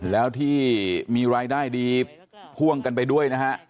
แล้วที่มีรายได้ดีพ่วงกันไปด้วยนะฮะ